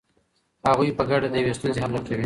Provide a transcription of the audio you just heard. هغوی په ګډه د یوې ستونزې حل لټوي.